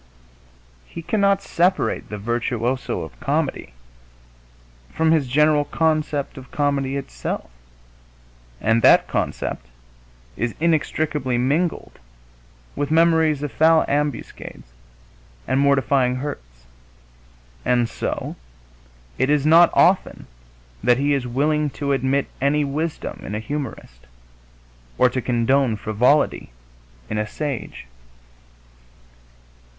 He cannot separate the virtuoso of comedy from his general concept of comedy itself, and that concept is inextricably mingled with memories of foul ambuscades and mortifying hurts. And so it is not often that he is willing to admit any wisdom in a humorist, or to condone frivolity in a sage.